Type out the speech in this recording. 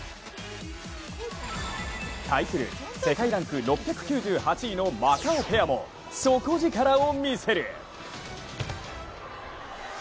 対する世界ランク６９８位のマカオペアも底力を見せる。